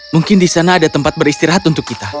mungkin di sana ada tempat beristirahat untuk kita